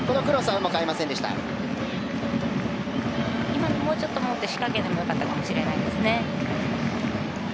今の、もうちょっと持って仕掛けても良かったかもしれないですね。